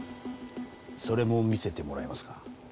それも見せてもらえますか？